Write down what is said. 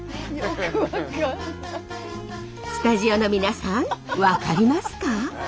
スタジオの皆さん分かりますか？